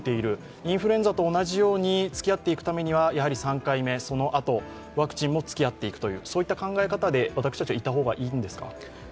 インフルエンザと同じように付き合っていくためには３回目、そのあとワクチンもつき合っていくという考え方でいた方がいいですか？